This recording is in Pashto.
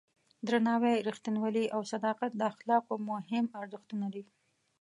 درناوی، رښتینولي او صداقت د اخلاقو مهم ارزښتونه دي.